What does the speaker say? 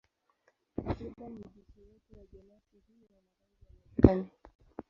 Takriban mijusi wote wa jenasi hii wana rangi ya majani.